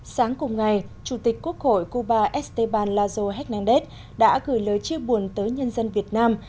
sáng cùng ngày chủ tịch quốc hội cuba esteban lazo hecnadez đã gửi lời chia buồn tới nhân dân việt nam